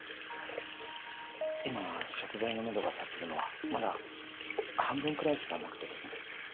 今食材のめどが立ってるのはまだ半分くらいしかなくてですね。